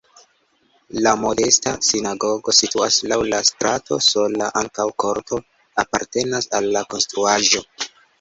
La modesta sinagogo situas laŭ la strato sola, ankaŭ korto apartenas al la konstruaĵo.